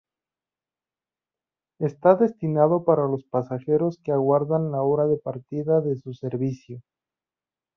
Está destinado para los pasajeros que aguardan la hora de partida de su servicio.